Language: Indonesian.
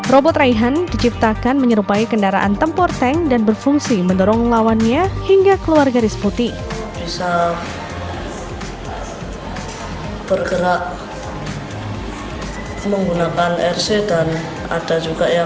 robot raihan diciptakan menyerupai kendaraan tempur tank dan berfungsi mendorong lawannya hingga keluar garis putih